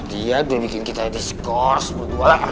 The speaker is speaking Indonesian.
dia udah bikin kita discourse berdua lah